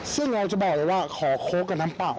ซึ่งเราจะบอกเลยว่าขอโค้กกับน้ำเปล่า